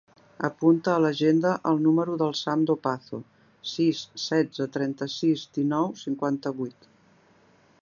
Apunta a l'agenda el número del Sam Dopazo: sis, setze, trenta-sis, dinou, cinquanta-vuit.